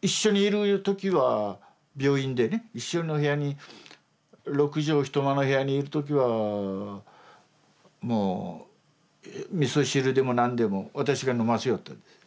一緒にいる時は病院でね一緒の部屋に六畳一間の部屋にいる時はもうみそ汁でも何でも私が飲ませよったんです。